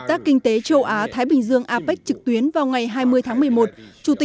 xin chào và hẹn gặp lại